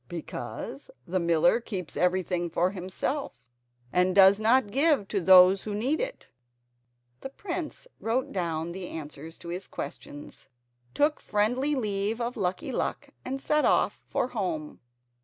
"Because the miller keeps everything for himself, and does not give to those who need it." The prince wrote down the answers to his questions, took a friendly leave of Lucky Luck, and set off for home.